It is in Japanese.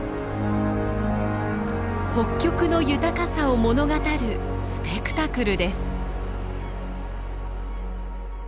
北極の豊かさを物語るスペクタクルです。